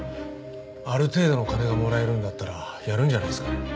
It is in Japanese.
ある程度の金がもらえるんだったらやるんじゃないですかね。